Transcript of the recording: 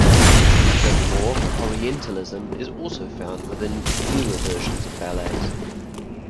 Furthermore, Orientalism is also found within newer versions of ballets.